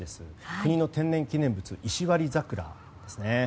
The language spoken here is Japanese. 国の天然記念物石割桜ですね。